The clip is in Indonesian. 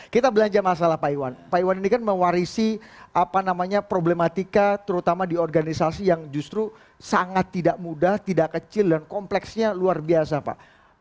kita belanja masalah pak iwan pak iwan ini kan mewarisi apa namanya problematika terutama di organisasi yang justru sangat tidak mudah tidak kecil dan kompleksnya luar biasa pak